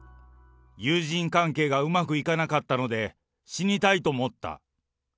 友人関係がうまくいかなかったので、死にたいと思った。